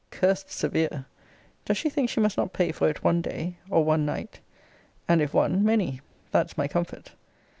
Cursed severe! Does she think she must not pay for it one day, or one night? And if one, many; that's my comfort.